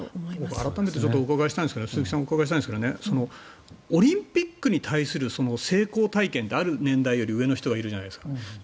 改めて鈴木さんにお伺いしたいんですがオリンピックに対する成功体験ってある年代より上の人がいるじゃないですか。